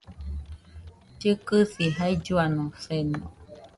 Llɨkɨsi jailluano seno